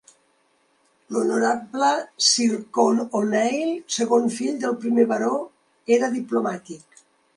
L'Honorable Sir Con O'Neill, segon fill del primer baró, era diplomàtic.